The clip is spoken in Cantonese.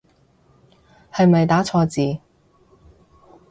係咪打錯字